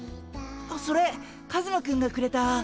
あっそれカズマくんがくれた。